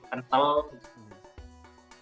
dimakan dengan tepung yang cukup kental